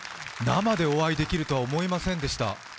生でお会いできるとは思いませんでした。